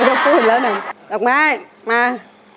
อ่าพูดแล้วหน่อยดอกไม้มา